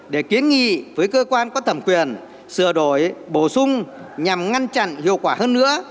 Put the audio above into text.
để kiến nghị với cơ quan có thẩm quyền sửa đổi bổ sung nhằm ngăn chặn hiệu quả hơn nữa